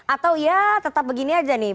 atau ya tetap begini aja nih